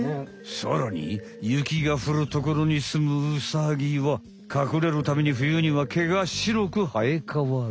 さらにゆきがふるところにすむウサギはかくれるためにふゆにはけがしろくはえかわる。